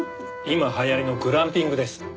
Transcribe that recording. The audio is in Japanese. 今流行りのグランピングです。